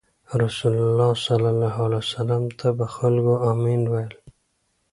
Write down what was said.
رسول الله ﷺ ته به خلکو “امین” ویل.